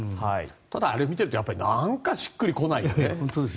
あれを見てるとなんかしっくり来ないよね。